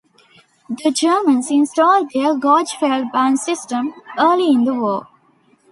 The Germans installed their gauge Feldbahn system early in the war.